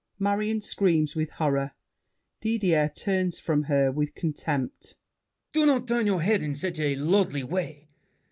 [Marion screams with horror. Didier turns from her with contempt. Don't turn your head in such a lordly way.